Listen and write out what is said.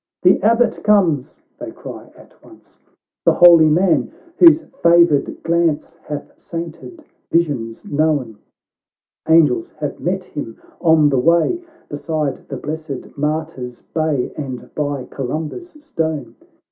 " The Abbot comes !" they cry at once, " The holy man, whose favoured glance Hath sainted visions known ; Angels have met him on the way, Beside the blessed martyrs' bay, And by Columba's stone.